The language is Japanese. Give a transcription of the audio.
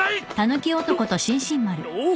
おっ！？